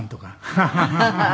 ハハハハ！